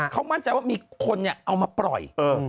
เขามั่นใจว่ามีคนเอามาปล่อย